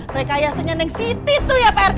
mereka yang senyandeng siti tuh ya pak rt